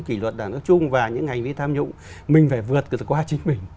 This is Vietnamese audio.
kỷ luật đảng nói chung và những hành vi tham nhũng mình phải vượt qua chính mình